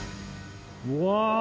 うわ！